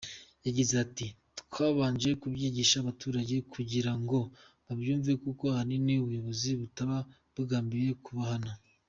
Yagize ati “ Twabanje kubyigisha abaturage kugira ngo babyumve kuko ahanini ubuyobozi butaba bugambiriye kubahana”.